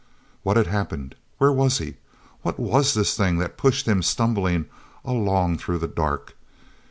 hat had happened? Where was he? What was this thing that pushed him, stumbling, along through the dark?